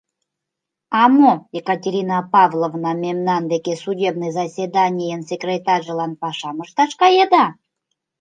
А мо, Екатерина Павловна, мемнан деке судебный заседанийын секретарьжылан пашам ышташ каеда?